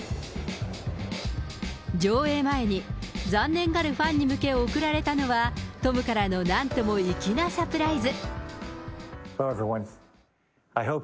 上映前に、残念がるファンに向け、送られたのは、トムからのなんとも粋なサプライズ。